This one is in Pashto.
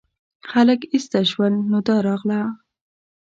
خلک ایسته شول نو دا راغله.